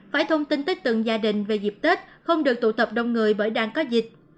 phải thông tin tới từng gia đình về dịp tết không được tụ tập đông người bởi đang có dịch